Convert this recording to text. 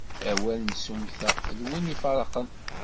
Awal n tsummta, d win i ifeṛṛqen.